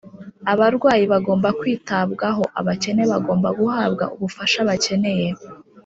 , abarwayi bagomba kwitabwaho, abakene bagomba guhabwa ubufasha bakeneye.